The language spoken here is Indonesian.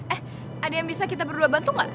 eh ada yang bisa kita berdua bantu gak